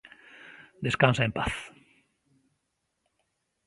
Descansa en paz.